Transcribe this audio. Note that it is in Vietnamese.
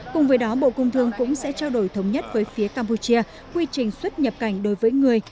cùng với đó bộ công thương cũng sẽ trao đổi thống nhất với phía campuchia quy trình xuất nhập cảnh đối với người